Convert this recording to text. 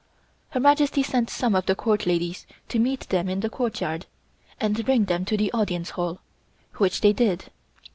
Her Majesty sent some of the Court ladies to meet them in the courtyard, and bring them to the Audience Hall, which they did.